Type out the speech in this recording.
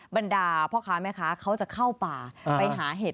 บรรดาพ่อค้าแม่ค้าเขาจะเข้าป่าไปหาเห็ด